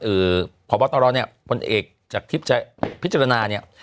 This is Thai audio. อือพปชเนี่ยคนเอกจากทิพย์พิจารณานี้